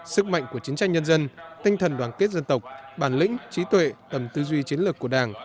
sức mạnh của chiến tranh nhân dân tinh thần đoàn kết dân tộc bản lĩnh trí tuệ tầm tư duy chiến lược của đảng